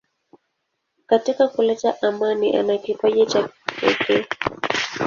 Katika kuleta amani ana kipaji cha pekee.